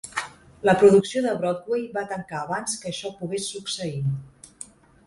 La producció de Broadway va tancar abans que això pogués succeir.